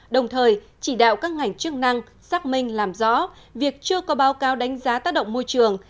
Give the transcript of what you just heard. đồng thời chỉ đạo các ngành chức năng xác minh làm rõ việc chưa có báo cáo đánh giá tác động môi trường